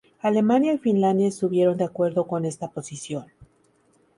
Alemania y Finlandia estuvieron de acuerdo con esta posición.